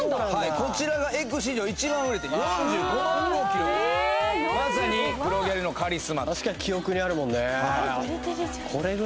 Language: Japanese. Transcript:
こちらが「ｅｇｇ」史上一番売れて４５万部を記録まさに黒ギャルのカリスマ確かに記憶にあるもんね